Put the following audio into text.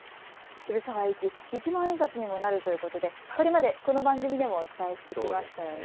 渋沢栄一、一万円札にもなるということで、これまでこの番組でもお伝えしてきましたよね。